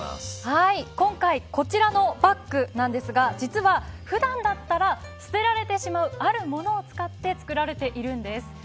今回こちらのバッグなんですが実は、普段だったら捨てられてしまうあるものを使って作られているんです。